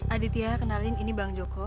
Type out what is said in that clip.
aditya kenalin ini bang joko